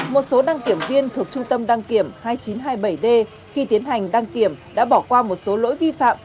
một số đăng kiểm viên thuộc trung tâm đăng kiểm hai nghìn chín trăm hai mươi bảy d khi tiến hành đăng kiểm đã bỏ qua một số lỗi vi phạm